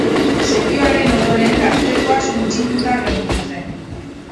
Setioaren ondoren gaztelua suntsituta gelditu zen.